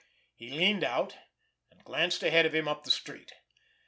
He leaned out, and glanced ahead of him up the street.